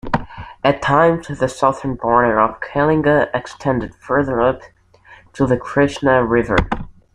At times, the southern border of Kalinga extended further up to the Krishna river.